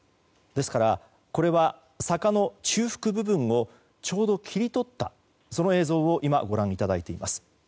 ですから、これは坂の中腹部分をちょうど切り取った映像を今、ご覧いただいています。